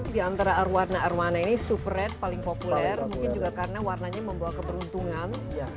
di antara warna arowana ini super red paling populer mungkin juga karena warnanya membawa keberuntungan